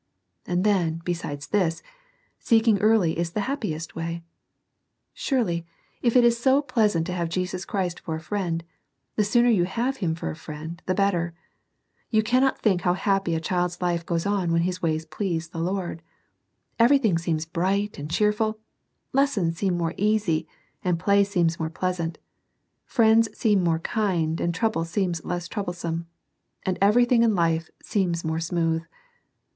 And then, besides this, seeking early is the happiest way. Surely, if it is so pleasant to have Jesus Christ for a friend, the sooner you have Him for a friend the better. You cannot think how happy a child's life goes on when his ways please the Lord. Everything seems bright and cheerful; lessons seem more easy, and play seems more pleasant; friends seem more kind, and trouble seems less troublesome ; and every thing in life seems more smooth.